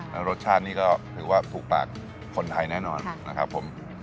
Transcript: แล้วรสชาตินี่ก็ถือว่าถูกปากคนไทยแน่นอนนะครับผม